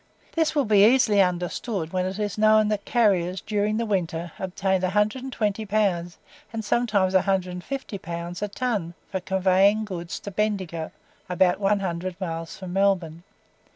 This will be easily understood when it is known that carriers, during the winter, obtained 120 pounds and sometimes 150 pounds a ton for conveying goods to Bendigo (about one hundred miles from Melbourne).